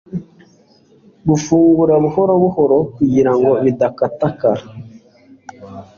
Gufungura buhoro buhoro kugira ngo bidatakara